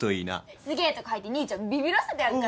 すげえとこ入って兄ちゃんビビらせてやるから。